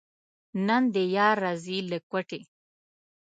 نن دې یار راځي له کوټې.